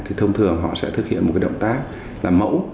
thì thông thường họ sẽ thực hiện một động tác làm mẫu